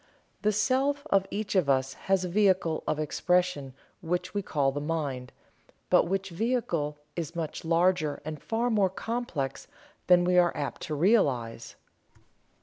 The Self of each of us has a vehicle of expression which we call the Mind, but which vehicle is much larger and far more complex than we are apt to realize.